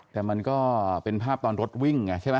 แต่มันก็เป็นภาพตอนรถวิ่งไงใช่ไหม